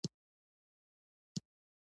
د سمنګانو ولایت څخه تېر شولو.